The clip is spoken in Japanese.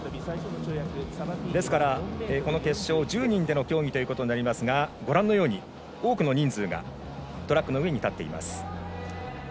ですから、この決勝１０人での競技となりますがご覧のように多くの人数がトラックの上に立っています。